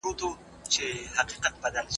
زه اوږده وخت کتابونه لولم وم!